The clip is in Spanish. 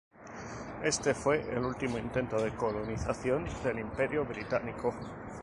Este fue el último intento de colonización del Imperio británico.